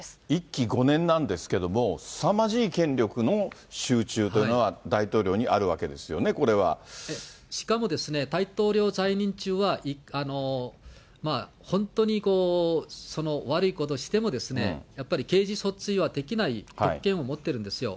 １期５年なんですけれども、すさまじい権限の集中というのが大統領にあるわけですよね、これしかも大統領在任中は、本当に悪いことをしても、やっぱり刑事訴追はできない特権を持ってるんですよ。